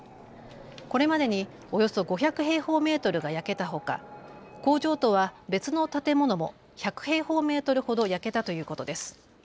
これまでにおよそ５００平方メートルが焼けたほか工場とは別の建物も１００平方メートルほど焼けたということです。